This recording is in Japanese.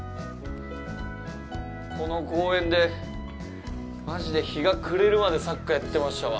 この公園で、マジで日が暮れるまでサッカーやってましたわ。